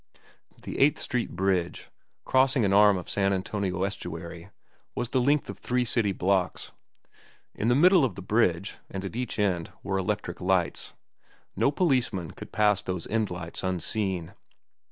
The Eighth Street Bridge, crossing an arm of San Antonio Estuary, was the length of three city blocks. In the middle of the bridge, and at each end, were electric lights. No policeman could pass those end lights unseen.